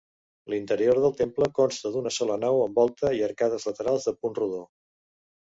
L'interior del temple consta d'una sola nau amb volta i arcades laterals de punt rodó.